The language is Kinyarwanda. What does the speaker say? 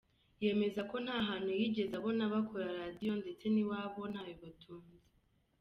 Yemeza ko nta hantu yigeze abona bakora radio ndetse n’iwabo ntayo batunze.